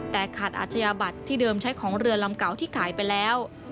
แต่ขาดอาชญาบัตรที่เดิมใช้ของเรือลำเก่าที่ขายไปแล้ว